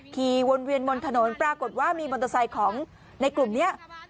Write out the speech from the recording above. ขี่วนเวียนบนถนนปรากฏว่ามีมอเตอร์ไซค์ของในกลุ่มนี้